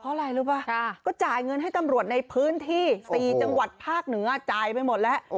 เพราะอะไรรู้ป่ะก็จ่ายเงินให้ตำรวจในพื้นที่๔จังหวัดภาคเหนือจ่ายไปหมดแล้ว